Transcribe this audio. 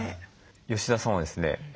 吉田さんはですね